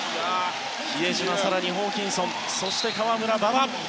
比江島、ホーキンソンそして河村、馬場。